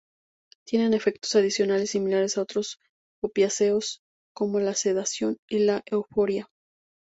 Tiene efectos adicionales similares a otros opiáceos, como la sedación y la euforia.